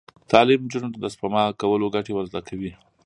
تعلیم نجونو ته د سپما کولو ګټې ور زده کوي.